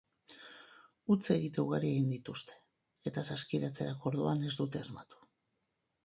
Huts egite ugari egin dituzte eta saskiratzerako orduan ez dute asmatu.